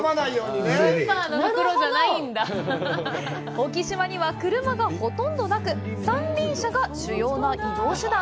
沖島には、車がほとんどなく、三輪車が主要な移動手段。